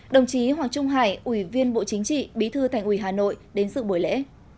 đồng chí hoàng trung hải ủy viên bộ chính trị bí thư thành ủy hà nội đến sự buổi lễ